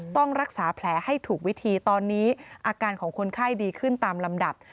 ต้องรักษาแผลให้ถูกวิธีตอนนี้อาการของคนไข้ดีขึ้นตามลำดับ